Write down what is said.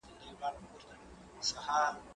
زه پرون پاکوالي ساتم وم؟!